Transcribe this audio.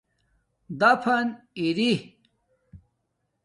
دَفن ارئ